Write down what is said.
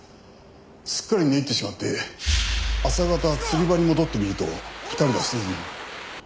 すっかり寝入ってしまって朝方釣り場に戻ってみると２人はすでに。